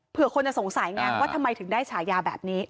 เพื่อคนจะสงสัยไงว่าทำไมถึงได้ฉายาแบบนี้